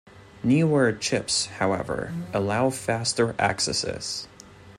Newer chips, however, allow faster accesses.